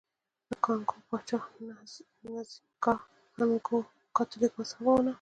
د کانګو پاچا نزینګا ا نکؤو کاتولیک مذهب ومانه.